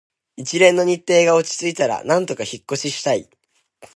一連の日程が落ち着いたら、なんとか引っ越ししたい